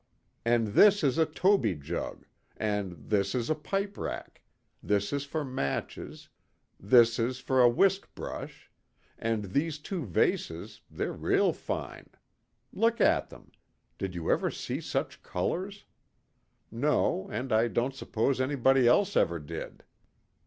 "And this is a Toby jug; and this is a pipe rack; this is for matches; this is for a whisk brush; and these two vases, they're real fine. Look at them. Did you ever see such colors? No, and I don't suppose anybody else ever did."